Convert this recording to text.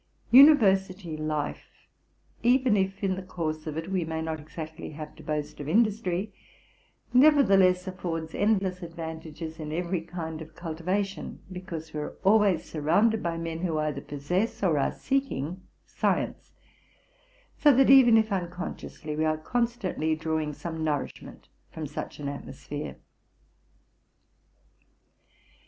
University life, even if in the course of it we may not exactly have to boast of industry, nevertheless affords endless advantages in every kind of cultivation, because we are always surrounded by men who either possess or are seeking science, so that, even if unconsciously, we are con stantly drawing some nourishment from such an atmosphere.